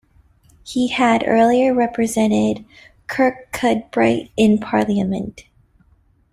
He had earlier represented Kirkcudbright in Parliament.